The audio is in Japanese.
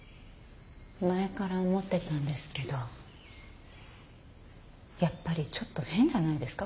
前から思ってたんですけどやっぱりちょっと変じゃないですか？